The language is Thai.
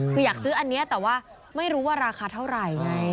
คืออยากซื้ออันนี้แต่ว่าไม่รู้ว่าราคาเท่าไหร่ไง